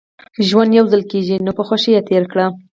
ژوند يوځل کېږي نو په خوښۍ يې تېر کړئ